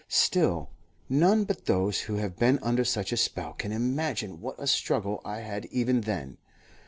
Still, none but those who have been under such a spell can imagine what a struggle I had even then.